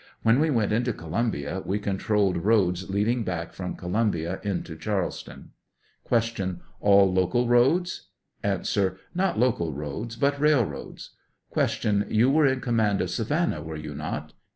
when we went into Colum bia, we controlled roads leading back from Columbia into Charleston. 117 Q. All local roads ? A. Not local roads, but railroads. Q. You were in command of Savannah, were you not?